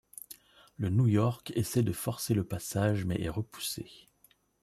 Le New-York essaie de forcer le passage mais est repoussé.